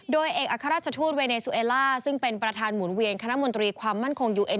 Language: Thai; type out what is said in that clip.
โดยเอกอัครราชทูตเวเนซูเอล่าซึ่งเป็นประธานหมุนเวียนคณะมนตรีความมั่นคงยูเอ็